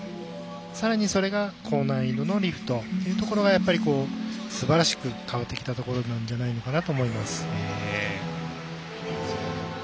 さらにそれが高難易度のリフトというところですばらしく変わってきたところじゃないかなと思います。